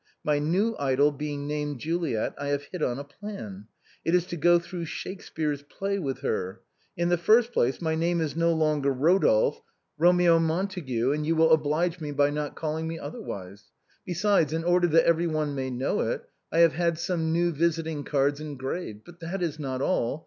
My new idol being named Juliet, I have hit on a plan. It is to go through Shakespeare's play with her. In the first place, my name is no longer Rodolphe, but 296 THE BOHEMIANS OF THE LATIN QUARTER. Eomeo Montague, and you will oblige me by not calling me otherwise. Besides, in order that everyone may know it, I have had some new visiting cards engraved. But that is not all.